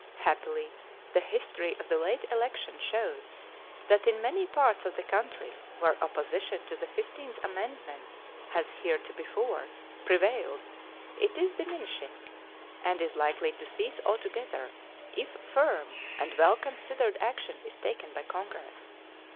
Happily, the history of the late election shows that in many parts of the country where opposition to the fifteenth amendment has heretofore prevailed it is diminishing, and is likely to cease altogether if firm and well considered action is taken by Congress.